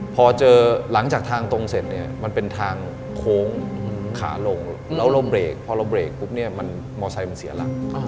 พอเจอหลังจากทางตรงเสร็จเนี่ยมันเป็นทางโค้งขาลงแล้วเราเบรกพอเราเบรกปุ๊บเนี่ยมันมอไซค์มันเสียหลัก